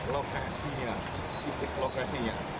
lokasinya situ lokasinya